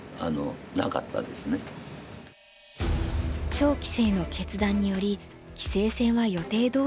趙棋聖の決断により棋聖戦は予定どおり開催。